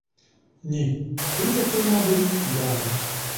Ні, ти таки, мабуть, п'яний!